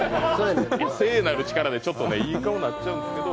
聖なる力でちょっといい顔になっちゃうんですけど。